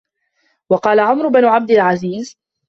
وَقَالَ عُمَرُ بْنُ عَبْدِ الْعَزِيزِ